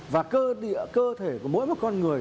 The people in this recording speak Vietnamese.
và cơ địa cơ thể của mỗi một con người